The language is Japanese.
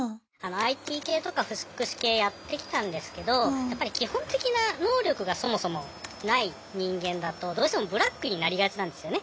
ＩＴ系とか福祉系やってきたんですけどやっぱり基本的な能力がそもそもない人間だとどうしてもブラックになりがちなんですよね。